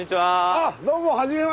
あっどうもはじめまして。